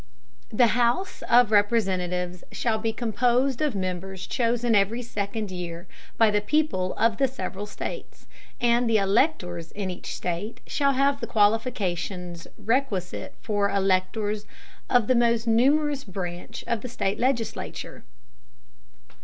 The House of Representatives shall be composed of Members chosen every second Year by the People of the several States, and the Electors in each State shall have the Qualifications requisite for Electors of the most numerous Branch of the State Legislature.